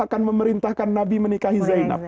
akan memerintahkan nabi menikahi zainab